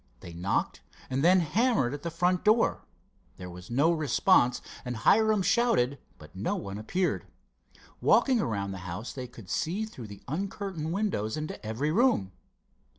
They knocked and then hammered at the front door. There was no response, and Hiram shouted, but no one appeared. Walking around the house, they could see through the uncurtained windows into every room.